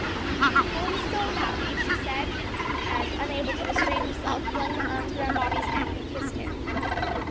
"Oh! I'm so happy," she said; and, unable to restrain herself, flung her arms round Bobby's neck and kissed him.